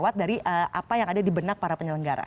mungkin masih terlewat dari apa yang ada di benak para penyelenggara